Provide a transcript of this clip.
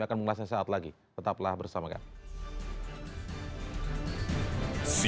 akan mengulasnya saat lagi tetaplah bersama kami